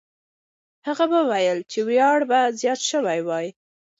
هغه وویل چې ویاړ به زیات سوی وای.